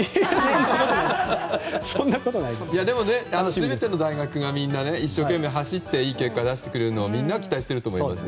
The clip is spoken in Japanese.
全ての大学がみんな一生懸命走っていい結果を出してくれるのをみんな期待していると思います。